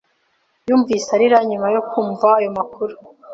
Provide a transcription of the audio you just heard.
Yumvise arira nyuma yo kumva ayo makuru.